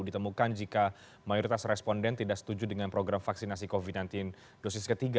ditemukan jika mayoritas responden tidak setuju dengan program vaksinasi covid sembilan belas dosis ketiga